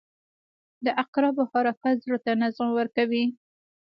• د عقربو حرکت زړه ته نظم ورکوي.